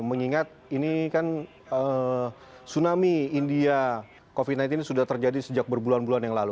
mengingat ini kan tsunami india covid sembilan belas ini sudah terjadi sejak berbulan bulan yang lalu